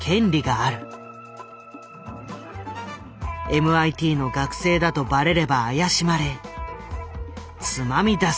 ＭＩＴの学生だとばれれば怪しまれつまみ出される。